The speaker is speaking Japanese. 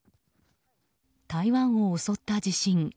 台湾を襲った地震。